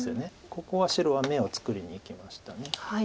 ここは白は眼を作りにいきました。